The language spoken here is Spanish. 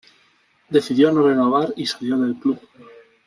Decidió no renovar y salió del club.